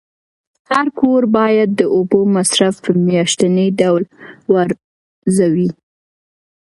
هر کور باید د اوبو مصرف په میاشتني ډول وارزوي.